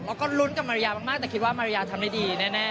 แล้วก็ลุ้นกับมาริยามากแต่คิดว่ามาริยาทำได้ดีแน่